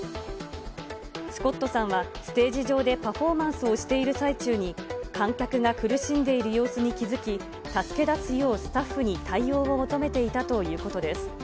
スコットさんは、ステージ上でパフォーマンスをしている最中に観客が苦しんでいる様子に気付き、助け出すようスタッフに対応を求めていたということです。